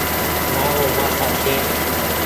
مآرو مآسآ ڇي ۔